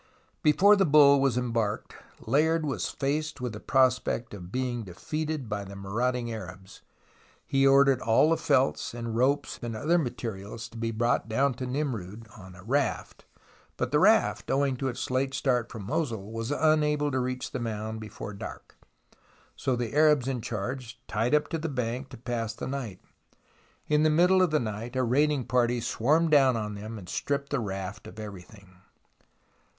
Before the bull was embarked, Layard was faced with the prospect of being defeated by the maraud ing Arabs. He ordered all the felts and ropes and other materials to be brought down to Nimroud on a raft, but the raft, owing to its late start from Mosul, was unable to reach the mound before dark, so the Arabs in charge tied up to the bank to pass the night. In the middle of the night a raiding party swarmed down on them and stripped the raft of everything.